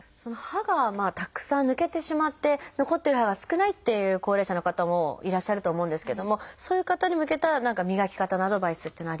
歯がたくさん抜けてしまって残ってる歯が少ないっていう高齢者の方もいらっしゃると思うんですけどもそういう方に向けた何か磨き方のアドバイスっていうのはありますか？